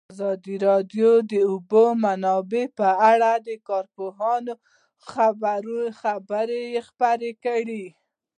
ازادي راډیو د د اوبو منابع په اړه د کارپوهانو خبرې خپرې کړي.